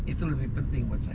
itu lebih penting buat saya